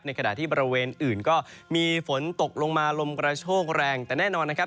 ในขณะที่ก็มีฝนตกลงมาลมกระโชคแรงแต่แน่นอนนะครับ